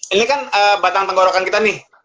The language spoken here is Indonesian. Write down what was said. ini kan batang tenggorokan kita nih